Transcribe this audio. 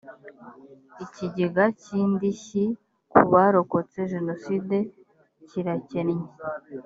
ikigega cy’ indishyi ku barokotse jenoside kirakennye